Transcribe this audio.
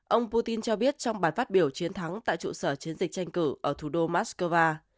ông putin cho biết trong bài phát biểu chiến thắng tại trụ sở chiến dịch tranh cử ở thủ đô moscow